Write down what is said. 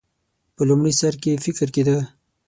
په لومړي سر کې فکر کېده.